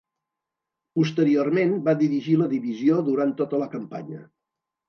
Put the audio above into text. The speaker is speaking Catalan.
Posteriorment va dirigir la divisió durant tota la campanya.